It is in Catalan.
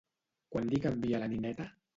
Quan li canvia la nineta?